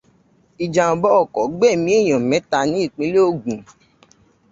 Ìjàmbá ọkọ̀ gbẹ̀mí èèyàn mẹ́ta ní ìpínlẹ̀ Ògùn.